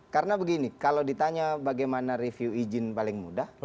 karena begini kalau ditanya bagaimana review izin paling mudah